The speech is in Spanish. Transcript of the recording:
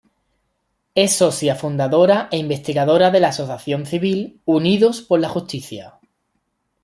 Es socia fundadora e investigadora de la Asociación Civil Unidos por la Justicia.